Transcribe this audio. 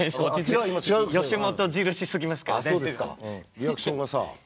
リアクションがさ。